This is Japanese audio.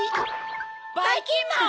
ばいきんまん！